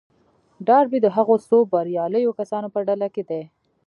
ډاربي د هغو څو برياليو کسانو په ډله کې دی.